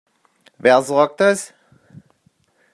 Wer sagt das?